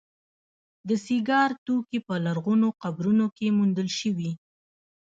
د سینګار توکي په لرغونو قبرونو کې موندل شوي